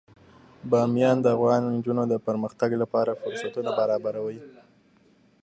بامیان د افغان نجونو د پرمختګ لپاره فرصتونه برابروي.